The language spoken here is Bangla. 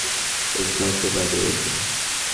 প্রশান্ত পালিয়ে গেছে।